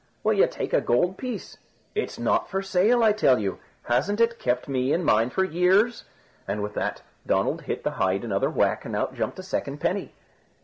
"Will you take a gold piece?" "It's not for sale, I tell you. Hasn't it kept me and mine for years?" and with that Donald hit the hide another whack and out jumped a second penny.